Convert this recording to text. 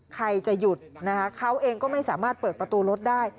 ใครจะหยุดนะคะเขาเองก็ไม่สามารถเปิดประตูรถได้